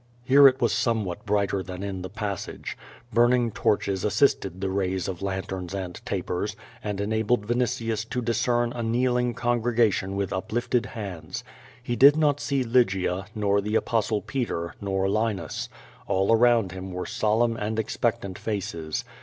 Here it was somewhat brighter than in the passage. Burn ing torches assisted the rays of lanterns and tapers, and en abled Vinitius to discern a kneeling congregation with up lifted hands. lie did not see Lygia, nor the Apostle Peter, nor Linus. All around him were solemn and expectant faces.